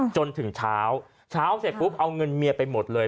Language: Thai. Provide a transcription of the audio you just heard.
จนถึงเช้าเช้าเสร็จปุ๊บเอาเงินเมียไปหมดเลย